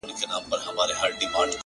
بيا وايم زه! يو داسې بله هم سته!